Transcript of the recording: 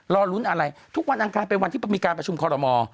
รอลุ้นอะไรทุกวันอังคารเป็นวันที่มีการประชุมคอรมอล